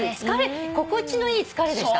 心地のいい疲れでした。